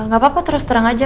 gak apa apa terus terang aja